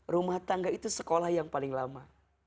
rumah tangga itu sekolah yang paling lama